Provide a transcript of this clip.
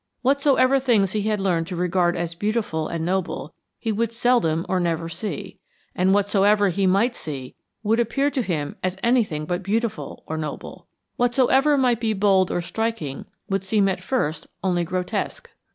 Whatsoever things he had learned to regard as beautiful and noble he would seldom or never see, and whatsoever he might see would appear to him as anything but beautiful or noble. Whatsoever might be bold or striking would seem at first only grotesque.